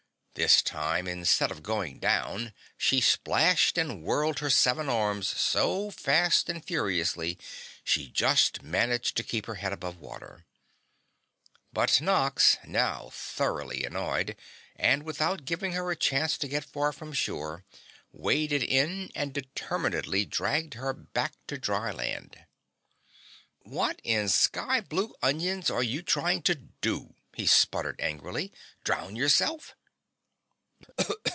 This time instead of going down she splashed and whirled her seven arms so fast and furiously she just managed to keep her head above water. But Nox, now thoroughly annoyed and without giving her a chance to get far from shore, waded in and determinedly dragged her back to dry land. "What in skyblue onions are you trying to do?" he sputtered angrily, "Drown yourself?"